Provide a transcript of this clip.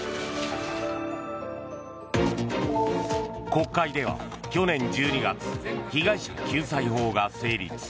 国会では去年１２月被害者救済法が成立。